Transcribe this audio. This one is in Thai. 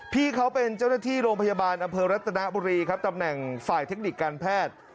พี่เขาเป็นเจ้าหน้าที่โรงพยาบาลอำเภอรัตนบุรีครับตำแหน่งฝ่ายเทคนิคการแพทย์